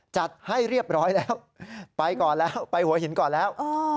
จัดให้เรียบร้อยแล้วไปก่อนแล้วไปหัวหินก่อนแล้ว